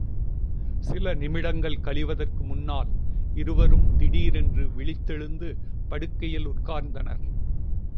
சில நிமிஷங்கள் கழிவதற்கு முன்னால் இருவரும் திடீரென்று விழித்தெழுந்து படுக்கையில் உட்கார்ந்தனர்.